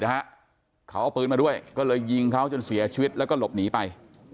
นะฮะเขาเอาปืนมาด้วยก็เลยยิงเขาจนเสียชีวิตแล้วก็หลบหนีไป